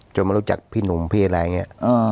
มารู้จักพี่หนุ่มพี่อะไรอย่างนี้